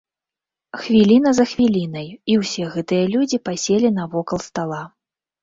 Хвіліна за хвілінай, і ўсе гэтыя людзі паселі навокал стала.